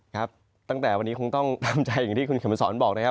ครับตั้งแต่วันนี้คงต้องทำใจอย่างที่คุณเข็มมาสอนบอกนะครับ